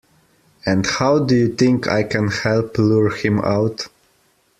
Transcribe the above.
And how do you think I can help lure him out?